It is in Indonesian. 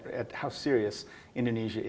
betapa seriusnya indonesia